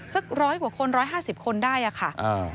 สักร้อยกว่าคน๑๕๐คนได้อะค่ะ